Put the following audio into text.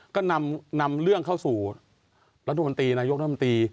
ก็นำเรื่องเข้าสู่รัฐมนตรีนายกรัฐมนตรี